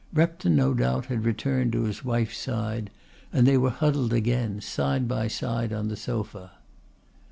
Repton no doubt had returned to his wife's side and they were huddled again side by side on the sofa.